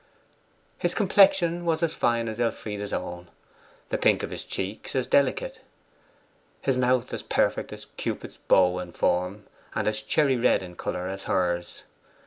His complexion was as fine as Elfride's own; the pink of his cheeks as delicate. His mouth as perfect as Cupid's bow in form, and as cherry red in colour as hers.